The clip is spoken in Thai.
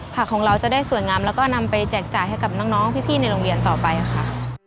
ผักของเราจะได้สวยงามแล้วก็นำไปแจกจ่ายให้กับน้องพี่ในโรงเรียนต่อไปค่ะ